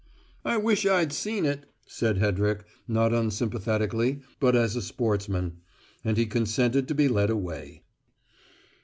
"I wish I'd seen it," said Hedrick, not unsympathetically, but as a sportsman. And he consented to be led away.